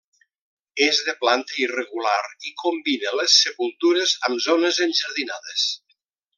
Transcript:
És de planta irregular i combina les sepultures amb zones enjardinades.